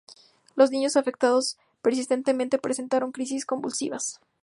Los niños afectados, persistentemente presentaran crisis convulsivas.